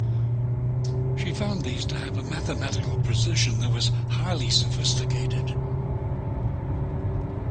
She found these to have a mathematical precision that was highly sophisticated.